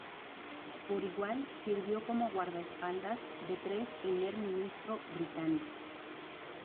Por igual sirvió como guardaespaldas de tres primer ministro británicos.